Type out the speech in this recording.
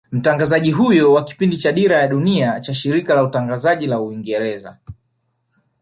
Mtangazaji huyo wa kipindi cha Dira ya Dunia cha Shirika la Utangazaji la Uingereza